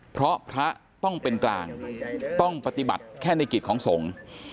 เพราะพระต้องเป็นกลางต้องปฏิบัติแค่ในกิจของสงฆ์